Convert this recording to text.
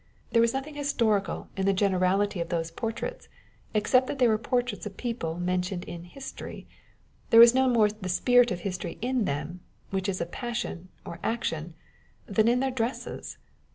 There was nothing historical in the generality of those portraits, except that they were portraits of people mentioned in history â€" there was no more of the spirit of history in them (which is passion or action) than in their dresses.